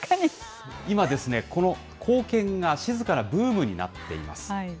今ですね、この硬券が静かなブームになっています。